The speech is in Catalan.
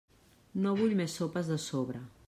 No vull més sopes de sobre.